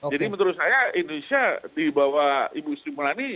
jadi menurut saya indonesia di bawah ibu istimewa ini